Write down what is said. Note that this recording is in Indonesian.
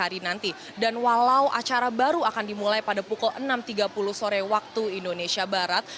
dan walau acara baru akan dimulai pada pukul enam tiga puluh sore waktu indonesia barat